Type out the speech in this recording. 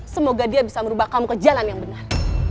semoga dia bisa merubah kamu ke jalan yang benar